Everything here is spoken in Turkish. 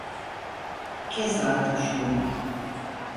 Kes artık şunu!